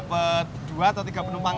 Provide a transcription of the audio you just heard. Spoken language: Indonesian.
b arithmetic youtubers ya bang